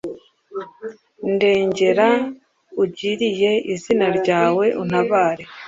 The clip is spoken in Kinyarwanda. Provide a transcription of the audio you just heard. ndengera ugiriye izina ryawe untabare